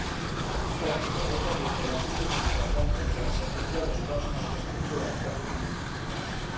El jugador també té la possibilitat d'enfrontar-se contra dos personatges controlats per l'ordinador.